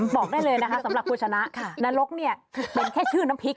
บอกได้เลยนะคะสำหรับคุณชนะนรกเนี่ยเป็นแค่ชื่อน้ำพริก